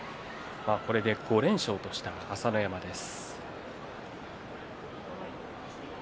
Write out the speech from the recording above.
これで５連勝とした朝乃山です。